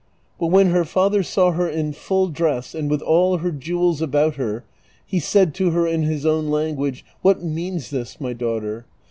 But when her father saw her in full dress and with all her jewels about her, he said to her in his own language, " What means this, my daugliter?